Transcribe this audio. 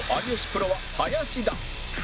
プロは林田